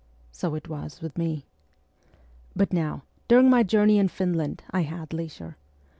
So it was with me. But now, during my journey in Finland, I had leisure.